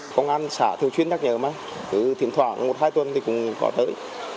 công an xã thường xuyên nhắc nhở mà thỉnh thoảng một hai tuần thì cũng có tới